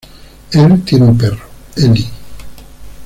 Él tiene un perro, Ellie.